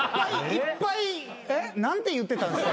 いっぱい何て言ってたんですか？